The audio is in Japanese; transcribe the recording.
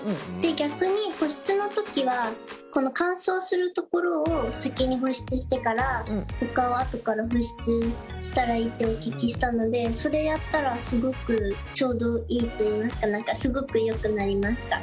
逆に保湿の時はこの乾燥する所を先に保湿してからほかはあとから保湿したらいいってお聞きしたのでそれやったらすごくちょうどいいといいますかすごくよくなりました。